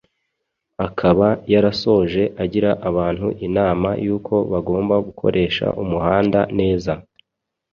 Akaba yarasoje agira abantu inama yuko bagomba gukoresha umuhanda neza